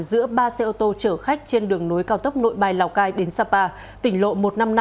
giữa ba xe ô tô chở khách trên đường nối cao tốc nội bài lào cai đến sapa tỉnh lộ một trăm năm mươi năm